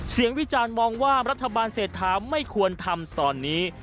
วิจารณ์มองว่ารัฐบาลเศรษฐาไม่ควรทำตอนนี้